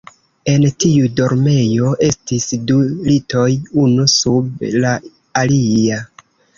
En tiu dormejo estis du litoj, unu sub la alia.